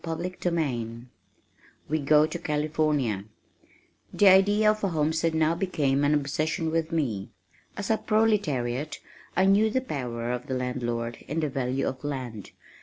CHAPTER XXXIV We Go to California The idea of a homestead now became an obsession with me. As a proletariat I knew the power of the landlord and the value of land.